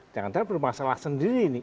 jangan jangan bermasalah sendiri ini